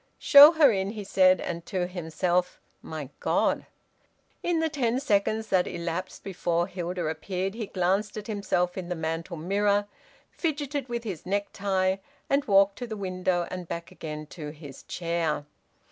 "Show her in," he said, and to himself: "My God!" In the ten seconds that elapsed before Hilda appeared he glanced at himself in the mantel mirror, fidgeted with his necktie, and walked to the window and back again to his chair.